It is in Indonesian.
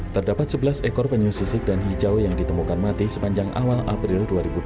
terdapat sebelas ekor penyu sisik dan hijau yang ditemukan mati sepanjang awal april dua ribu dua puluh